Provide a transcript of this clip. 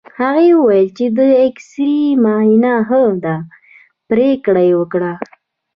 هغه وویل چې د اېکسرې معاینه ښه ده، پرېکړه یې وکړه.